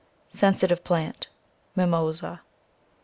Sensitive Plant, 14 Mimosa.